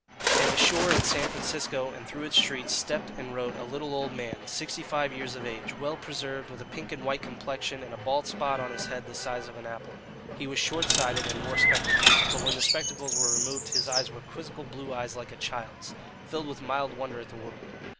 And ashore in San Francisco and through its streets stepped and rode a little old man, sixty five years of age, well preserved, with a pink and white complexion and a bald spot on his head the size of an apple. He was short sighted and wore spectacles. But when the spectacles were removed, his were quizzical blue eyes like a child's, filled with mild wonder at the world.